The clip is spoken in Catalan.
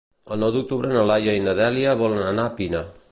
El nou d'octubre na Laia i na Dèlia volen anar a Pina.